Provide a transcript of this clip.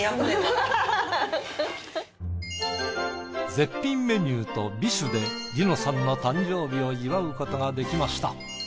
絶品メニューと美酒で梨乃さんの誕生日を祝うことができました。